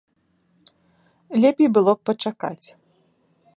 Лепей было б пачакаць.